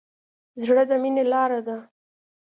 زړه د مینې لاره ده.